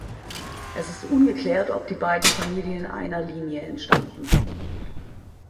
Es ist ungeklärt, ob die beiden Familien einer Linie entstammten.